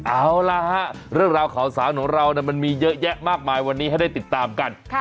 เอาล่ะฮะเรื่องราวข่าวสารของเรามันมีเยอะแยะมากมายวันนี้ให้ได้ติดตามกัน